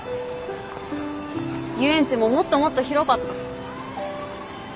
遊園地ももっともっと広かった。